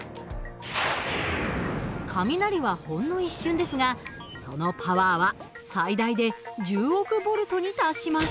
雷はほんの一瞬ですがそのパワーは最大で１０億ボルトに達します。